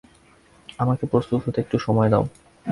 আমাকে প্রস্তুত হতে একটু সময় দাও।